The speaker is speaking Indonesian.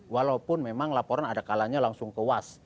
walaupun memang laporan ada kalanya langsung ke was